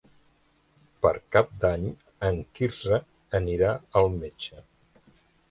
Per Cap d'Any en Quirze anirà al metge.